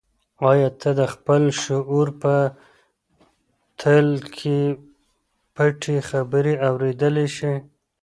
آیا ته د خپل شعور په تل کې پټې خبرې اورېدلی شې؟